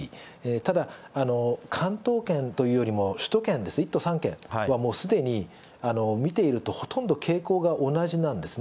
ただ、関東圏というよりも首都圏です、１都３県はもうすでに、見ているとほとんど傾向が同じなんですね。